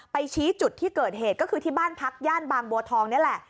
ชี้จุดที่เกิดเหตุก็คือที่บ้านพักย่านบางบัวทองนี่แหละ